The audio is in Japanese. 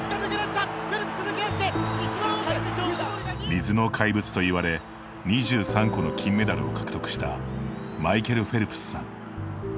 「水の怪物」といわれ２３個の金メダルを獲得したマイケル・フェルプスさん。